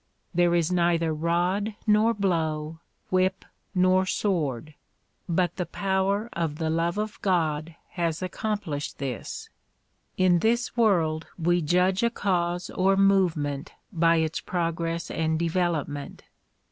There is neither rod nor blow, whip nor sword ; but the power of the love of God has accomplislied this. In this world we judge a cause or movement by its progress and development.